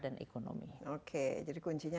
dan ekonomi oke jadi kuncinya